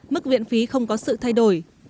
mức viện phí không có sự thay đổi